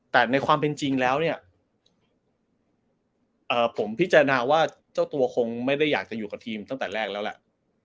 แต่ในความเป็นจริงแล้วเนี่ยผมพิจารณาว่าเจ้าตัวคงไม่ได้อยากจะอยู่กับทีมตั้งแต่แรกแล้วแหละ